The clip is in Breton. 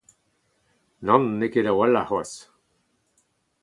Nann, n’eo ket a-walc’h c’hoazh.